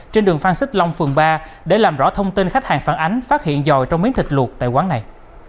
trên đường phan xích long phường ba để làm rõ thông tin khách hàng phản ánh phát hiện dòi trong miếng thịt luộc tại quán này